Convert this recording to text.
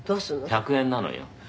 「１００円なのよ」